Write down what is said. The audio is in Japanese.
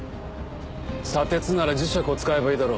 砂鉄なら磁石を使えばいいだろ。